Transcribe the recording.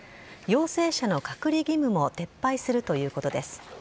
陽性者の隔離義務も撤廃するということです。